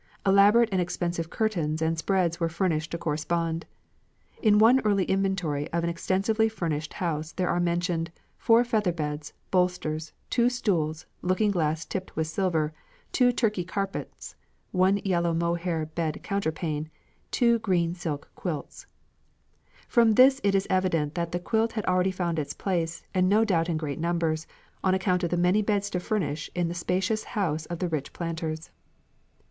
Elaborate and expensive curtains and spreads were furnished to correspond. In one early inventory of an extensively furnished house there are mentioned "four feather beds, bolsters, two stools, looking glass tipt with silver, two Turkey carpets, one yellow mohair bed counterpane, and two green silk quilts." From this it is evident that the quilt had already found its place, and no doubt in great numbers, on account of the many beds to furnish in the spacious house of the rich planters.